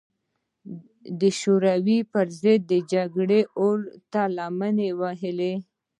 د شوروي پر ضد د جګړې اور ته لمن ووهي.